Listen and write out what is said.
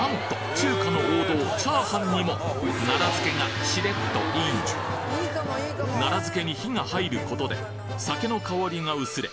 中華の王道チャーハンにも奈良漬がしれっとイン奈良漬に火が入ることで酒の香りが薄れ